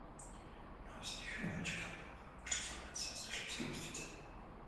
Mnoho z nich ale očekávalo hořký konec a snažilo se opustit zemi.